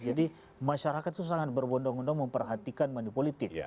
jadi masyarakat itu sangat berbondong bondong memperhatikan manu politik